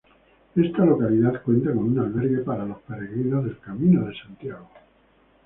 Esta localidad cuenta con un albergue para los peregrinos del Camino de Santiago.